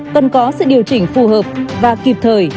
cần có sự điều chỉnh phù hợp và kịp thời